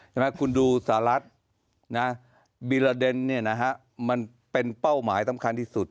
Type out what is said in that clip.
ใช่ไหมคุณดูสหรัฐบิลลาเดนมันเป็นเป้าหมายต้ำคัญที่สุด